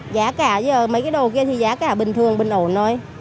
giá cả giờ mấy cái đồ kia thì giá cả bình thường bình ổn thôi